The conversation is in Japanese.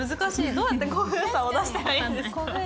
どうやって古風さを出したらいいんですか？